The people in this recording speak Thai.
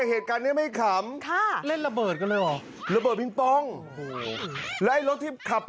เอ่อก็กรี๊ดเหมือนกันใช่มั้ย